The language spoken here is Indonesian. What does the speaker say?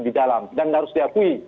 di dalam dan harus diakui